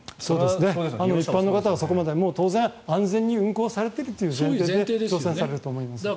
一般の方はそこまでは当然安全に運航されているという思いで乗船されると思います。